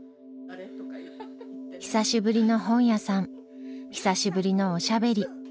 久しぶりの本屋さん久しぶりのおしゃべり。